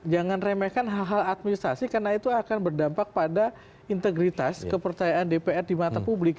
jangan remehkan hal hal administrasi karena itu akan berdampak pada integritas kepercayaan dpr di mata publik